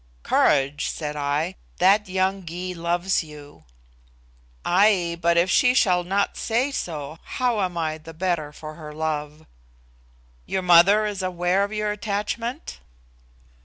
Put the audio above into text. "Courage," said I, "that young Gy loves you." "Ay, but if she shall not say so, how am I the better for her love?" "Your mother is aware of your attachment?"